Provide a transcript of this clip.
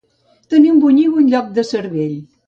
Tenir un bonyigo en lloc de cervell.